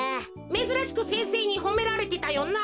めずらしく先生にほめられてたよな。